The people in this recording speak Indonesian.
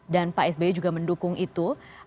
dan pak sby juga mendukung itu